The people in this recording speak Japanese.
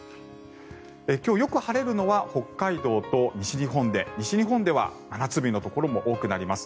今日はよく晴れるのは北海道と西日本で西日本では真夏日のところも多くなります。